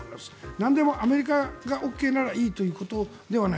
なんでもアメリカがＯＫならいいということではない。